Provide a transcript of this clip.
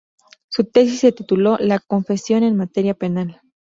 Su tesis se tituló "La confesión en materia penal".